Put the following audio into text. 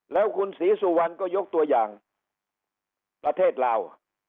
แล้วคุณศรีสุวรรณก็ยกตัวอย่างประเทศลาว